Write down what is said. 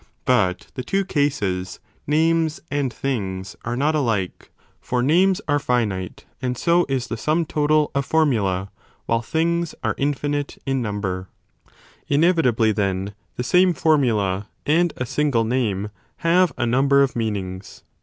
But the two cases (names and 10 things) are not alike. For names are finite and so is the sum total of formulae, while things are infinite in number. i6s a DE SOPHISTICIS ELENCHIS Inevitably, then, the same formulae, and a single name, have a number of meanings.